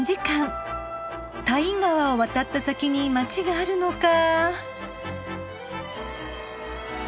タイン川を渡った先に街があるのかぁ。